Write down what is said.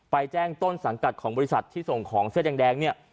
แจ้งต้นสังกัดของบริษัทที่ส่งของเสื้อแดงเนี่ย